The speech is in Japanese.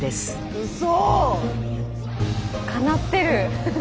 うそ！